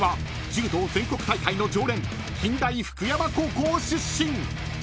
柔道全国大会の常連近大福山高校出身］